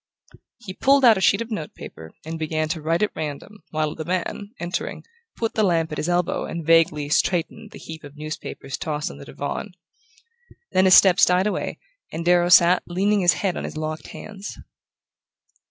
He pulled out a sheet of note paper and began to write at random, while the man, entering, put the lamp at his elbow and vaguely "straightened" the heap of newspapers tossed on the divan. Then his steps died away and Darrow sat leaning his head on his locked hands.